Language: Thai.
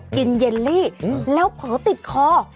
กินเยลลี่แล้วเผาติดคอ